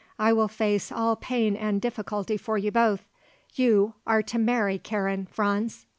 I will face all pain and difficulty for you both. You are to marry Karen, Franz."